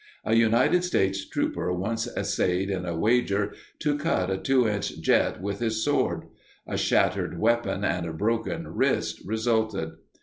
A United States trooper once essayed, on a wager, to cut a two inch jet with his sword; a shattered weapon and a broken wrist resulted.